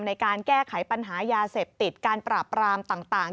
ในการแก้ไขปัญหายาเสพติดการปราบรามต่าง